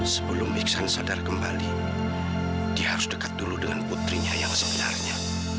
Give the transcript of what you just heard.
sebelum iksan sadar kembali dia harus dekat dulu dengan putrinya yang sebenarnya